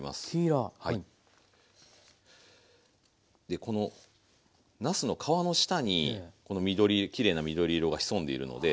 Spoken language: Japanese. でこのなすの皮の下にこの緑きれいな緑色が潜んでいるので。